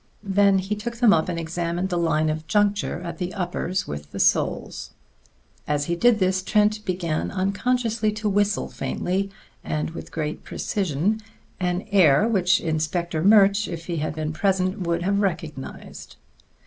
Then he took them up and examined the line of juncture of the uppers with the soles. As he did this, Trent began unconsciously to whistle faintly, and with great precision, an air which Inspector Murch, if he had been present, would have recognized.